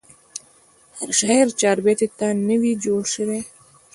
هر شاعر چاربیتې ته نه وي جوړسوی.